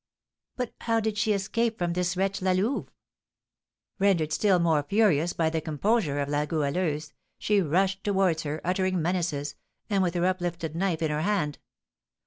"But how did she escape from this wretch, La Louve?" "Rendered still more furious by the composure of La Goualeuse, she rushed towards her, uttering menaces, and with her uplifted knife in her hand.